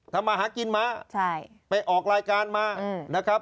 ทำมาหากินมาไปออกรายการมานะครับ